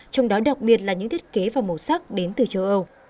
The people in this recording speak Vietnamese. trong đó đặc biệt là những thiết kế và màu sắc đến từ châu âu